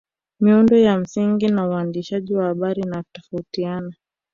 Miundo ya msingi ya uandishi wa habari inatofautiana